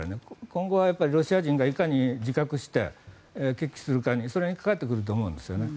今後はやっぱりロシア人がいかに自覚をして決起するかにかかってくると思うんですね。